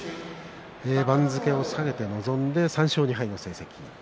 番付を下げて臨んで３勝２敗の成績。